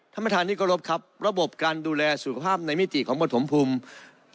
ท่านประธานที่กรบครับระบบการดูแลสุขภาพในมิติของปฐมภูมิ